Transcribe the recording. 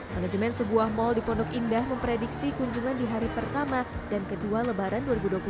manajemen sebuah mal di pondok indah memprediksi kunjungan di hari pertama dan kedua lebaran dua ribu dua puluh tiga